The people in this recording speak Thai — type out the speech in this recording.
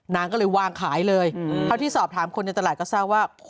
นางก็เลยวางขายเลยเท่าที่สอบถามคนในตลาดก็ทราบว่า